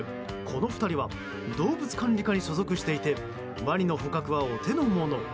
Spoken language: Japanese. この２人は動物管理課に所属していてワニの捕獲はお手の物。